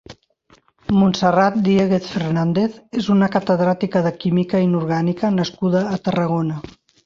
Montserrat Diéguez Fernández és una catedràtica de Química inorgànica nascuda a Tarragona.